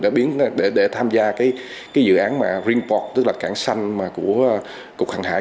để tham gia dự án ringport tức là cảng xanh của cục hàng hải